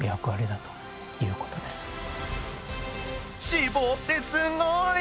脂肪ってすごい！